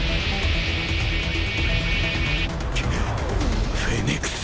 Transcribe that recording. くっフェネクス。